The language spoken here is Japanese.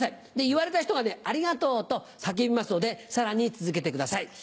言われた人がね「ありがとう」と叫びますのでさらに続けてください。